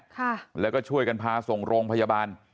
ค่ะแล้วก็ช่วยกันพาส่งโรงพยาบาล